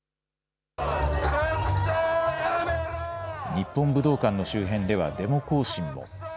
日本武道館の周辺では、デモ行進も。